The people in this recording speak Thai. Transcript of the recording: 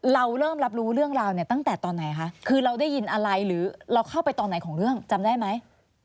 เราเริ่มรับรู้เรื่องราวเนี่ยตั้งแต่ตอนไหนคะคือเราได้ยินอะไรหรือเราเข้าไปตอนไหนของเรื่องจำได้ไหม